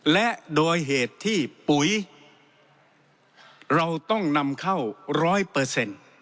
และโดยเหตุที่ปุ๋ยเราต้องนำเข้าร้อยเปอร์เซ็นต์